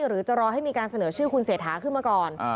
หรือจะรอให้มีการเสนอชื่อคุณเศรษฐาขึ้นมาก่อน